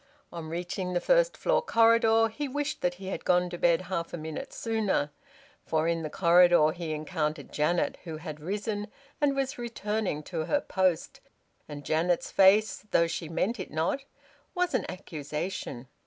On reaching the first floor corridor he wished that he had gone to bed half a minute sooner; for in the corridor he encountered Janet, who had risen and was returning to her post; and Janet's face, though she meant it not, was an accusation.